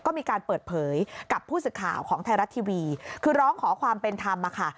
ก็มีการเปิดเผยกับผู้สื่อข่าวของไทยรัฐทีวีคือร้องขอความเป็นธรรมอะค่ะ